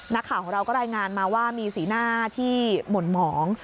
นักข่าวของเราก็รายงานมาว่ามีสีหน้าที่หม่นหมอง